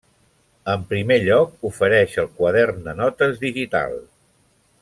En primer lloc, ofereix el quadern de notes digital.